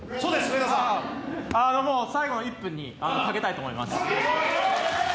もう最後の１分に賭けたいと思います。